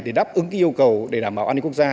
để đáp ứng yêu cầu để đảm bảo an ninh quốc gia